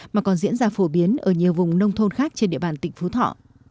mà còn diễn ra phổ biến ở nhiều vùng nông thôn khác trên địa bàn tỉnh phú thọ